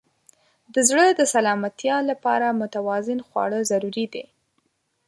د زړه د سلامتیا لپاره متوازن خواړه ضروري دي.